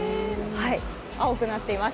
青くなっています。